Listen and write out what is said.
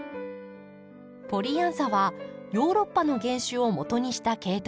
ポリアンサはヨーロッパの原種をもとにした系統です。